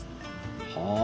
はあ。